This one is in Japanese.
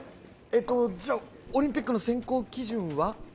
えっとじゃオリンピックの選考基準は？